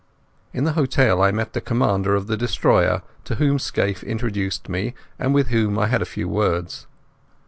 In the hotel I met the commander of the destroyer, to whom Scaife introduced me, and with whom I had a few words.